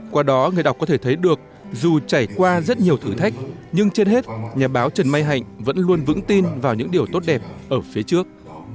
qua đó người đọc có thể thấy được dù trải qua rất nhiều thử thách nhưng trên hết nhà báo trần mai hạnh vẫn luôn vững tin vào những điều tốt đẹp ở phía trước